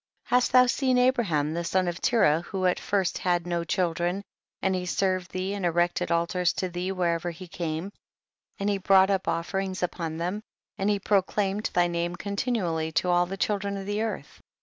50. Hast thou seen Abraham the son of Terah, who at first had no children, and he served thee and erected altars to thee wherever he came, and he brought up offerings upon them, and he proclaimed thy name continually to all the children of the earth.